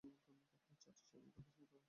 চাচা-চাচীদের সাথে অংশীদারে।